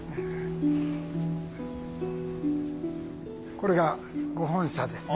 これがご本社ですね。